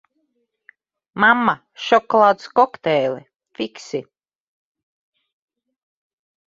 Mamma, šokolādes kokteili, fiksi!